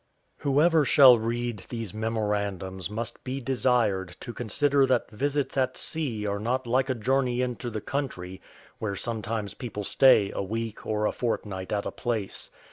Whoever shall read these memorandums must be desired to consider that visits at sea are not like a journey into the country, where sometimes people stay a week or a fortnight at a place.